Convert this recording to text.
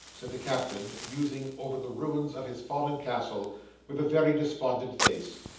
said the Captain, musing over the ruins of his fallen castle, with a very despondent face.